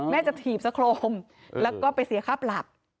แม่จะถีบสะโครมแล้วก็ไปเสียค่าปรับ